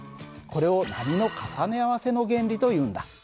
これを波の重ね合わせの原理というんだ。